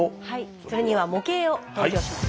それには模型を登場させます。